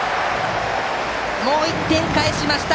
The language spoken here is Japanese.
もう１点返しました。